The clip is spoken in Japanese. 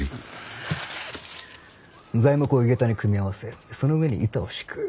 材木を井桁に組み合わせその上に板を敷く。